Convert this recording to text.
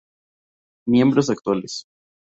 Miembros actuales